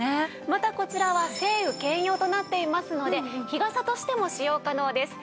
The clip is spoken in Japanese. またこちらは晴雨兼用となっていますので日傘としても使用可能です。